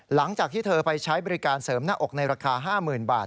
หลังจากที่เธอไปใช้บริการเสริมหน้าอกในราคา๕๐๐๐บาท